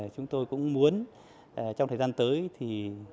chúng tôi cũng muốn trong thời gian tới